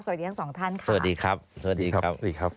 สวัสดีทั้งสองท่านค่ะสวัสดีครับ